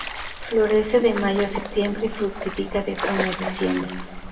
Florece de mayo a septiembre y fructifica de junio a diciembre.